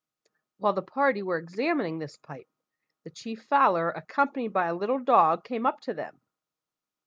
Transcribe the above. While the party were examining this pipe, the chief fowler, accompanied by a little dog, came up to them.